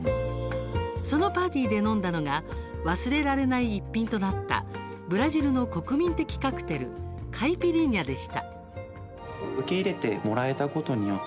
そのパーティーで飲んだのが忘れられない一品となったブラジルの国民的カクテルカイピリーニャでした。